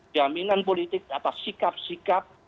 jaminan politik atas sikap sikap